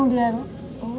ya ngancam bunuh dia